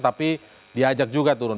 tapi diajak juga turun